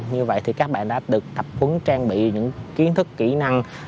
như vậy thì các bạn đã được tập huấn trang bị những kiến thức kỹ năng